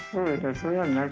そうですね